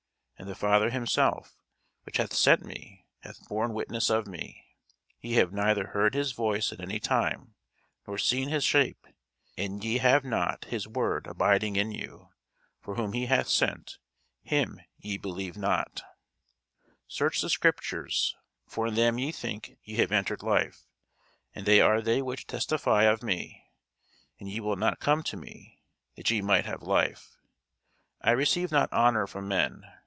And the Father himself, which hath sent me, hath borne witness of me. Ye have neither heard his voice at any time, nor seen his shape. And ye have not his word abiding in you: for whom he hath sent, him ye believe not. [Sidenote: St. Matthew 12] Search the scriptures; for in them ye think ye have eternal life: and they are they which testify of me. And ye will not come to me, that ye might have life. I receive not honour from men.